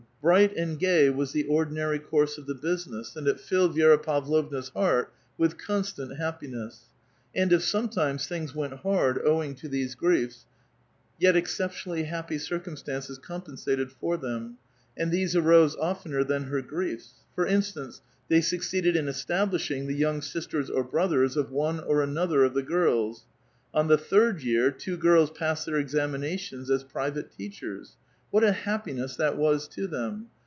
Bright and gay was the ordinary course of the business, and it filled Vi^ra Pavlov na's heart with constant happiness. And if sometimes things went hard owing to these griefs, yet exceptionally happy circumstances compensated for them ; and these arose oftener than her griefs ; for instance, they succeeded in establishing the young sisters or brothers of one or another of the girls ; on the third year two girls passed tiieir examinations as private teachers. What a hap piness that was to them